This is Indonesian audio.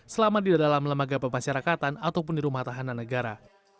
selama di dalam lembaga pemasyarakatan ataupun di rumah tahanan negara